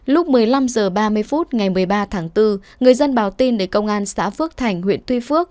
lúc một mươi năm h ba mươi phút ngày một mươi ba tháng bốn người dân báo tin để công an xã phước thành huyện tuy phước